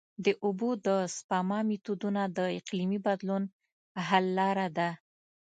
د اوبو د سپما میتودونه د اقلیمي بدلون حل لاره ده.